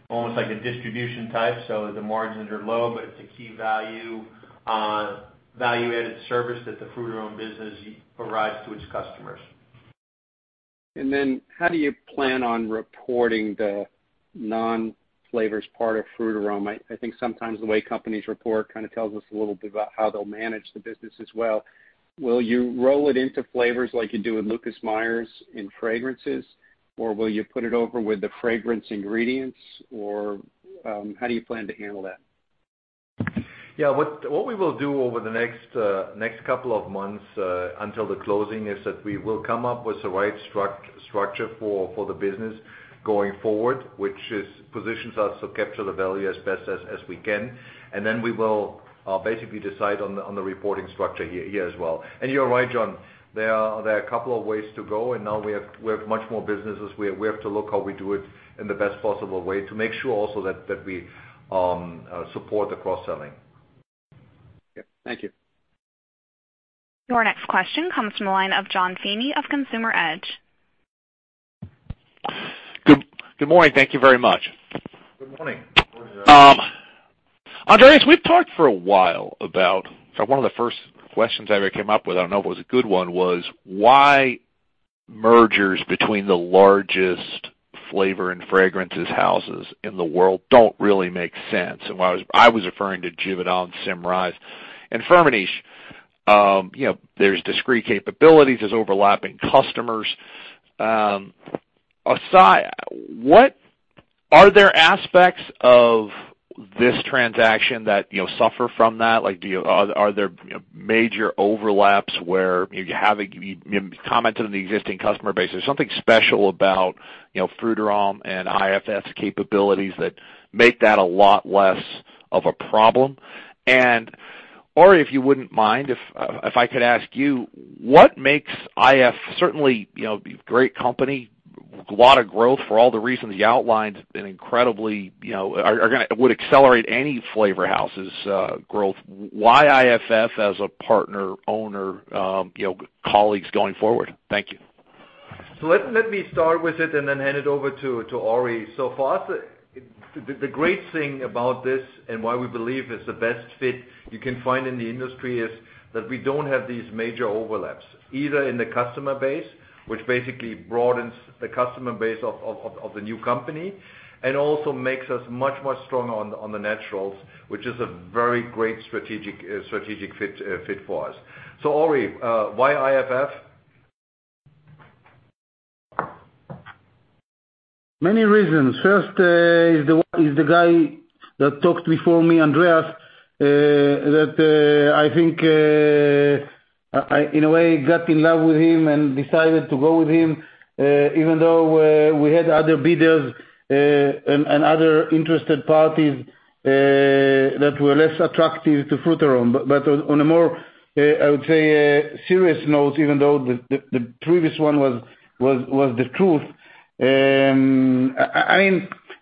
almost like a distribution type, so the margins are low, but it's a key value-added service that the Frutarom business provides to its customers. How do you plan on reporting the non-Flavors part of Frutarom? I think sometimes the way companies report kind of tells us a little bit about how they'll manage the business as well. Will you roll it into Flavors like you do with Lucas Meyer in Fragrances, or will you put it over with the Fragrance Ingredients, or how do you plan to handle that? Yeah. What we will do over the next couple of months until the closing is that we will come up with the right structure for the business going forward, which positions us to capture the value as best as we can. We will basically decide on the reporting structure here as well. You're right, John, there are a couple of ways to go, and now we have much more businesses. We have to look how we do it in the best possible way to make sure also that we support the cross-selling. Okay. Thank you. Your next question comes from the line of Jonathan Feeney of Consumer Edge. Good morning. Thank you very much. Good morning. Andreas, we've talked for a while about, in fact, one of the first questions I ever came up with, I don't know if it was a good one, was why mergers between the largest Flavors and Fragrances houses in the world don't really make sense. I was referring to Givaudan and Symrise. Firmenich, there's discrete capabilities, there's overlapping customers. Are there aspects of this transaction that suffer from that? Are there major overlaps where you have You commented on the existing customer base. There's something special about Frutarom and IFF's capabilities that make that a lot less of a problem. Ori, if you wouldn't mind, if I could ask you, what makes IFF, certainly great company, lot of growth for all the reasons you outlined, would accelerate any flavor house's growth. Why IFF as a partner, owner, colleagues going forward? Thank you. Let me start with it and then hand it over to Ori. For us, the great thing about this and why we believe it's the best fit you can find in the industry is that we don't have these major overlaps, either in the customer base, which basically broadens the customer base of the new company, and also makes us much, much stronger on the naturals, which is a very great strategic fit for us. Ori, why IFF? Many reasons. First, is the guy that talked before me, Andreas, that I think, in a way, got in love with him and decided to go with him, even though we had other bidders and other interested parties that were less attractive to Frutarom. On a more, I would say, serious note, even though the previous one was the truth.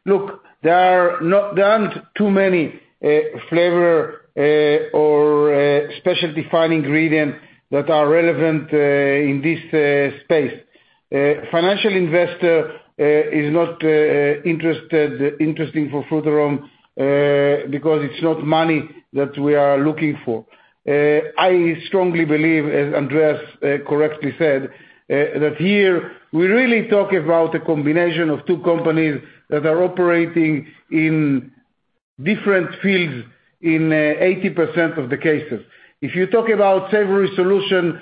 Look, there aren't too many flavor or specialty fine ingredient that are relevant in this space. Financial investor is not interesting for Frutarom, because it's not money that we are looking for. I strongly believe, as Andreas correctly said, that here we really talk about a combination of two companies that are operating in different fields in 80% of the cases. If you talk about savory solution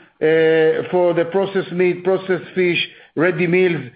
for the processed meat, processed fish, ready meals,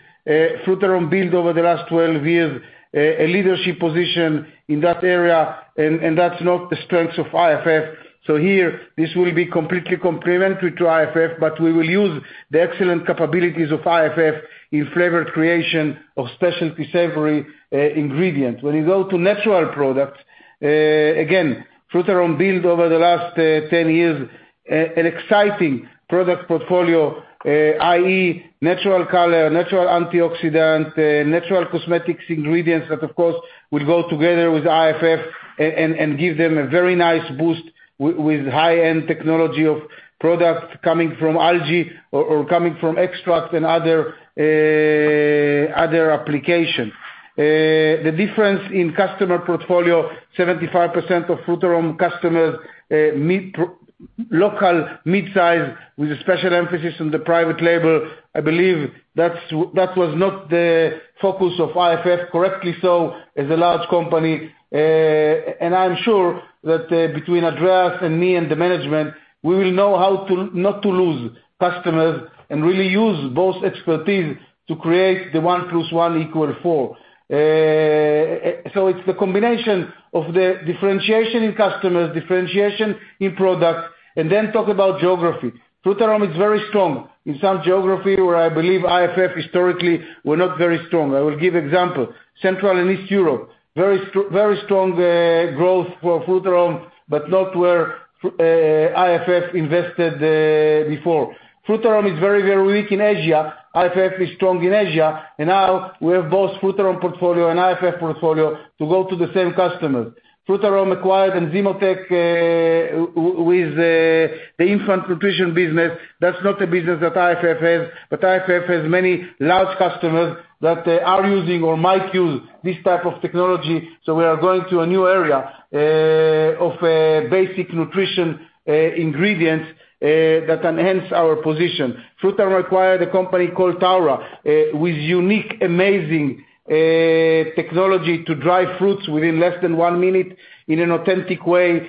Frutarom built over the last 12 years, a leadership position in that area, and that's not the strengths of IFF. Here, this will be completely complementary to IFF, but we will use the excellent capabilities of IFF in flavor creation of specialty savory ingredients. When you go to natural products, again, Frutarom build over the last 10 years an exciting product portfolio, i.e., natural color, natural antioxidant, natural cosmetics ingredients that, of course, will go together with IFF and give them a very nice boost with high-end technology of products coming from algae or coming from extracts and other application. The difference in customer portfolio, 75% of Frutarom customers, local mid-size with a special emphasis on the private label. I believe that was not the focus of IFF, correctly so, as a large company. I'm sure that between Andreas and me and the management, we will know how not to lose customers and really use both expertise to create the one plus one equal four. It's the combination of the differentiation in customers, differentiation in products. Then talk about geography. Frutarom is very strong in some geography where I believe IFF historically were not very strong. I will give example. Central and East Europe, very strong growth for Frutarom, but not where IFF invested before. Frutarom is very, very weak in Asia. IFF is strong in Asia. Now we have both Frutarom portfolio and IFF portfolio to go to the same customers. Frutarom acquired Enzymotec with the infant nutrition business. That's not a business that IFF has, but IFF has many large customers that are using or might use this type of technology. We are going to a new area of basic nutrition ingredients that enhance our position. Frutarom acquired a company called Taura, with unique, amazing technology to dry fruits within less than one minute in an authentic way.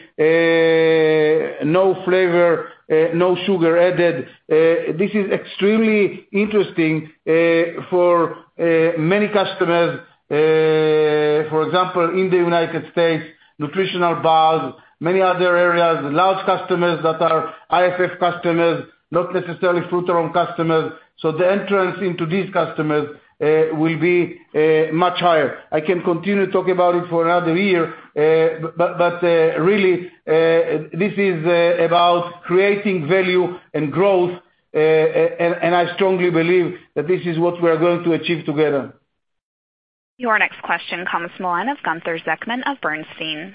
No flavor, no sugar added. This is extremely interesting for many customers, for example, in the United States, nutritional bars, many other areas, large customers that are IFF customers, not necessarily Frutarom customers. The entrance into these customers will be much higher. I can continue talking about it for another year. Really, this is about creating value and growth, and I strongly believe that this is what we are going to achieve together. Your next question comes on the line of Gunther Zechmann of Bernstein.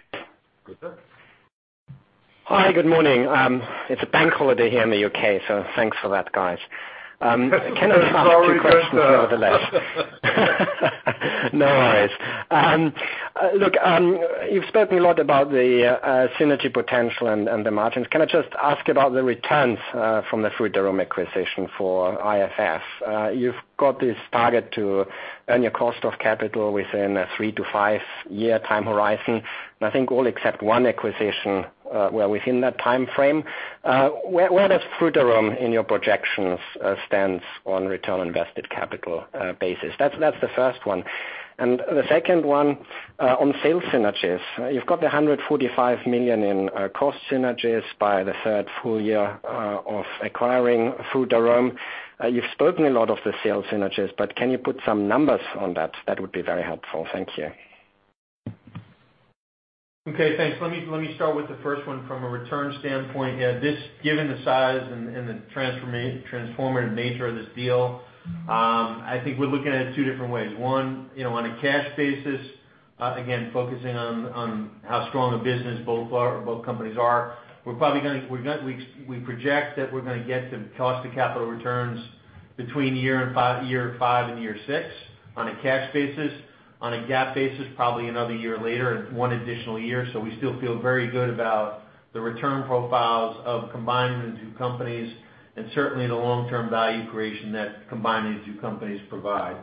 Gunther. Hi, good morning. It's a bank holiday here in the U.K., thanks for that, guys. Questions nevertheless. No worries. You've spoken a lot about the synergy potential and the margins. Can I just ask about the returns from the Frutarom acquisition for IFF? You've got this target to earn your cost of capital within a three to five-year time horizon, and I think all except one acquisition were within that timeframe. Where does Frutarom, in your projections, stand on return on invested capital basis? That's the first one. The second one, on sales synergies. You've got the $145 million in cost synergies by the third full year of acquiring Frutarom. You've spoken a lot of the sales synergies, can you put some numbers on that? That would be very helpful. Thank you. Okay, thanks. Let me start with the first one from a return standpoint. Given the size and the transformative nature of this deal, I think we're looking at it two different ways. One, on a cash basis, again, focusing on how strong a business both companies are. We project that we're going to get to cost of capital returns between year five and year six on a cash basis. On a GAAP basis, probably another year later, one additional year. We still feel very good about the return profiles of combining the two companies and certainly the long-term value creation that combining the two companies provide.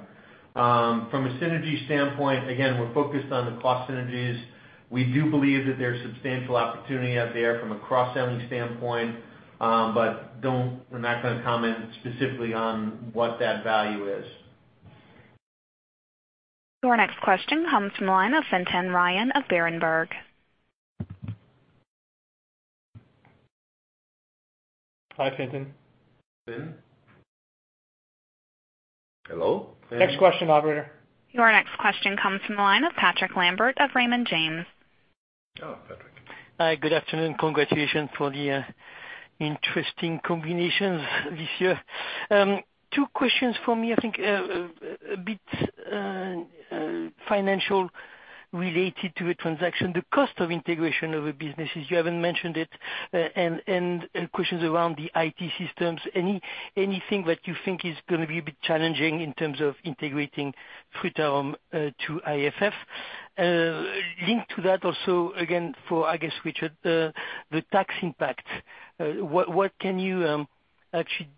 From a synergy standpoint, again, we're focused on the cost synergies. We do believe that there's substantial opportunity out there from a cross-selling standpoint, but I'm not going to comment specifically on what that value is. Your next question comes from the line of Fintan Ryan of Berenberg. Hi, Fintan. Fintan. Hello? Next question, operator. Your next question comes from the line of Patrick Lambert of Raymond James. Oh, Patrick. Hi, good afternoon. Congratulations for the interesting combinations this year. Two questions from me. I think a bit financial related to the transaction. The cost of integration of the businesses, you haven't mentioned it, and questions around the IT systems. Anything that you think is going to be a bit challenging in terms of integrating Frutarom to IFF? Linked to that also, again, for, I guess, Richard, the tax impact. What can you actually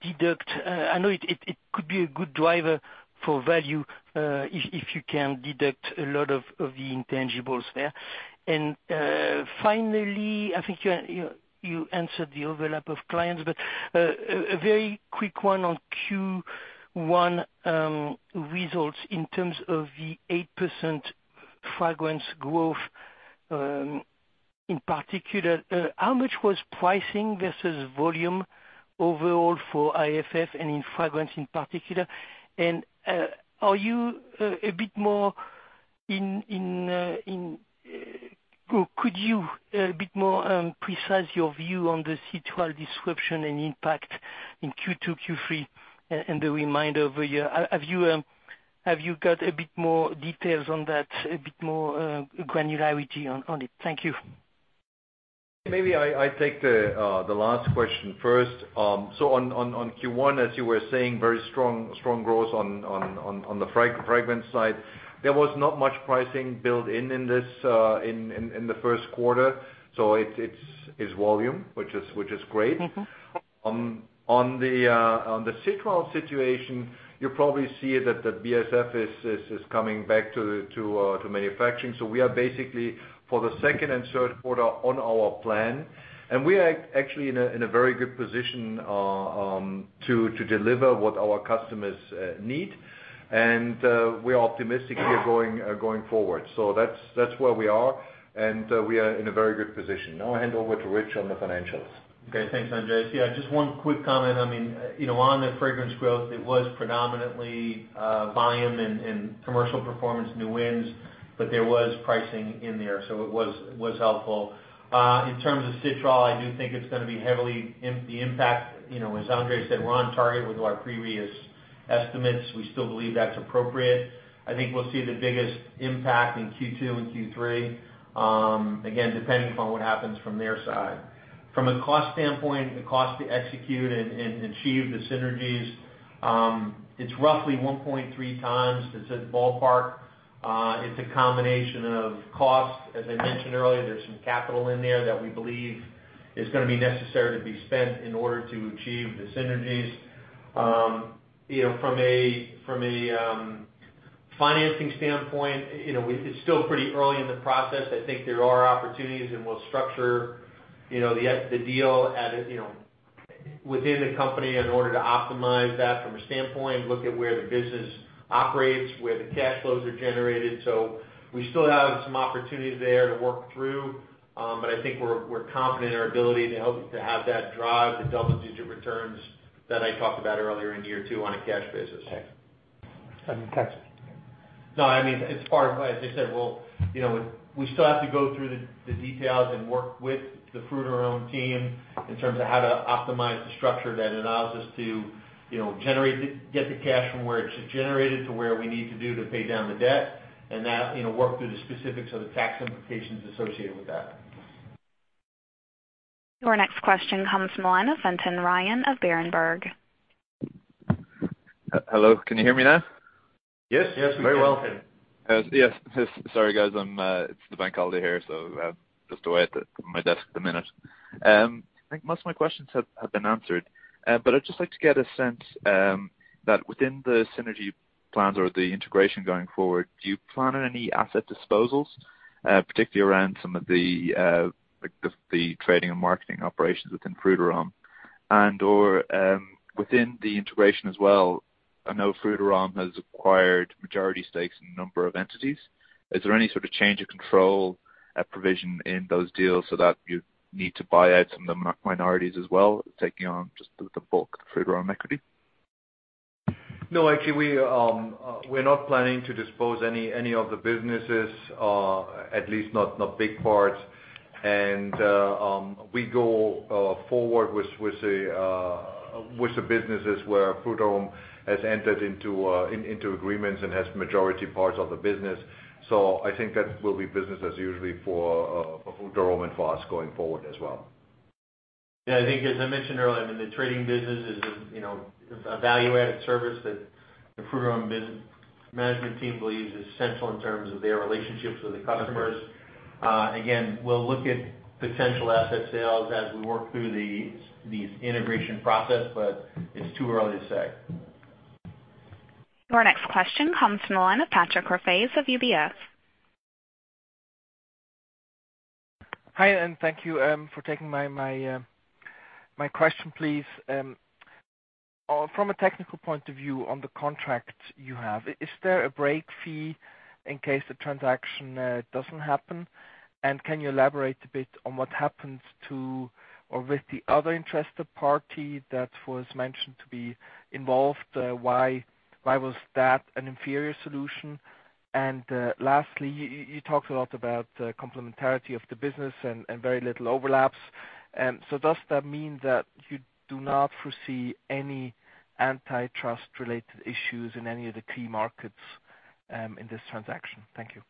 deduct? I know it could be a good driver for value if you can deduct a lot of the intangibles there. Finally, I think you answered the overlap of clients, but a very quick one on Q1 results in terms of the 8% fragrance growth, in particular. How much was pricing versus volume overall for IFF and in fragrance in particular? Could you a bit more precise your view on the citral disruption and impact in Q2, Q3 and the remainder of the year? Have you got a bit more details on that, a bit more granularity on it? Thank you. Maybe I take the last question first. On Q1, as you were saying, very strong growth on the Fragrance side. There was not much pricing built in in the first quarter. It's volume, which is great. On the citral situation, you probably see that BASF is coming back to manufacturing. We are basically, for the second and third quarter, on our plan, and we are actually in a very good position to deliver what our customers need. We are optimistic here going forward. That's where we are, and we are in a very good position. Now I hand over to Rich on the financials. Okay, thanks, Andreas. Yeah, just one quick comment. On the Fragrance growth, it was predominantly volume and commercial performance, new wins. There was pricing in there, it was helpful. In terms of citral, I do think the impact, as Andreas said, we're on target with our previous estimates. We still believe that's appropriate. I think we'll see the biggest impact in Q2 and Q3, again, depending upon what happens from their side. From a cost standpoint, the cost to execute and achieve the synergies, it's roughly 1.3x. It's a ballpark. It's a combination of cost. As I mentioned earlier, there's some capital in there that we believe is going to be necessary to be spent in order to achieve the synergies. From a financing standpoint, it's still pretty early in the process. I think there are opportunities, we'll structure the deal within the company in order to optimize that from a standpoint, look at where the business operates, where the cash flows are generated. We still have some opportunities there to work through. I think we're confident in our ability to have that drive the double-digit returns that I talked about earlier in year two on a cash basis. Okay. Tax? No, as I said, we still have to go through the details and work with the Frutarom team in terms of how to optimize the structure that allows us to get the cash from where it's generated to where we need to do to pay down the debt and work through the specifics of the tax implications associated with that. Your next question comes from the line of Fintan Ryan of Berenberg. Hello, can you hear me now? Yes. Very well. Yes. Sorry, guys. It's the bank holiday here, so just away at my desk at the minute. I think most of my questions have been answered. I'd just like to get a sense, that within the synergy plans or the integration going forward, do you plan on any asset disposals, particularly around some of the trading and marketing operations within Frutarom, and/or within the integration as well? I know Frutarom has acquired majority stakes in a number of entities. Is there any sort of change of control, provision in those deals so that you need to buy out some of the minorities as well, taking on just the bulk of Frutarom equity? No, actually, we're not planning to dispose any of the businesses, at least not big parts. We go forward with the businesses where Frutarom has entered into agreements and has majority parts of the business. I think that will be business as usual for Frutarom and for us going forward as well. Yeah, I think as I mentioned earlier, the trading business is a value-added service that the Frutarom management team believes is central in terms of their relationships with the customers. Again, we'll look at potential asset sales as we work through the integration process, but it's too early to say. Your next question comes from the line of Patrick Rafaisz of UBS. Hi. Thank you for taking my question, please. From a technical point of view on the contract you have, is there a break fee in case the transaction doesn't happen? Can you elaborate a bit on what happens to or with the other interested party that was mentioned to be involved? Why was that an inferior solution? Lastly, you talked a lot about the complementarity of the business and very little overlaps. Does that mean that you do not foresee any antitrust-related issues in any of the key markets in this transaction? Thank you.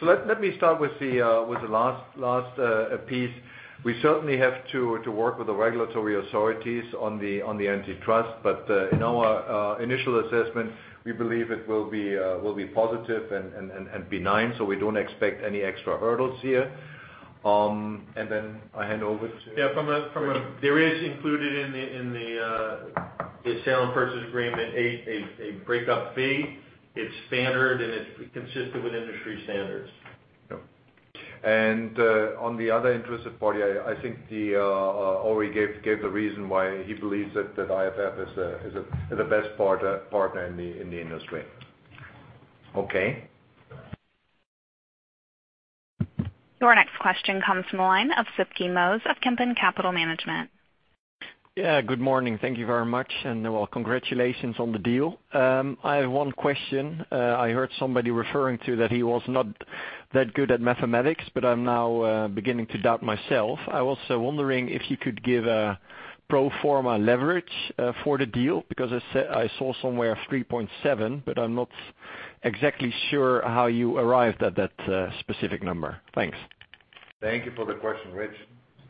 Let me start with the last piece. We certainly have to work with the regulatory authorities on the antitrust. In our initial assessment, we believe it will be positive and benign, so we don't expect any extra hurdles here. I hand over to. There is included in the sale and purchase agreement a breakup fee. It's standard and it's consistent with industry standards. On the other interested party, I think Ori gave the reason why he believes that IFF is the best partner in the industry. Okay. Your next question comes from the line of Sipke Monsma of Kempen Capital Management. Yeah, good morning. Thank you very much, and well, congratulations on the deal. I have one question. I heard somebody referring to that he was not that good at mathematics, but I'm now beginning to doubt myself. I was wondering if you could give a pro forma leverage for the deal, because I saw somewhere 3.7, but I'm not exactly sure how you arrived at that specific number. Thanks. Thank you for the question. Rich?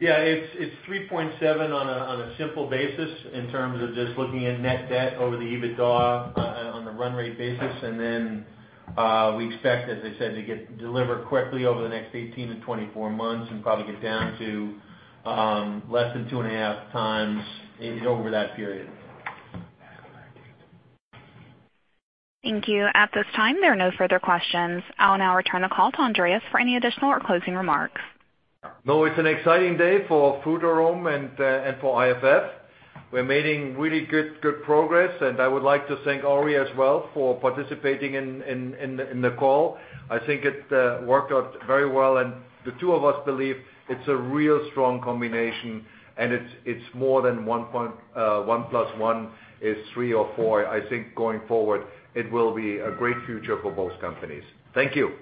It's 3.7 on a simple basis in terms of just looking at net debt over the EBITDA on the run rate basis. Then we expect, as I said, to get delivered quickly over the next 18 to 24 months and probably get down to less than 2.5 times over that period. Thank you. At this time, there are no further questions. I will now return the call to Andreas for any additional or closing remarks. No, it's an exciting day for Frutarom and for IFF. We're making really good progress, and I would like to thank Ori as well for participating in the call. I think it worked out very well, and the two of us believe it's a real strong combination, and it's more than one plus one is three or four. I think going forward, it will be a great future for both companies. Thank you.